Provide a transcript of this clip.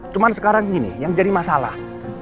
cuman sekarang ini yang jadi masalah